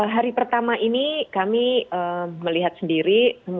hari pertama ini kami melihat sendiri